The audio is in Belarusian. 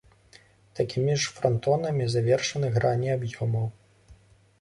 Такімі ж франтонамі завершаны грані аб'ёмаў.